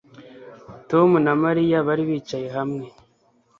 Tom na Mariya bari bicaye hamwe